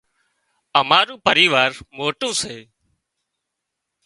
امارون پريوار موٽون سي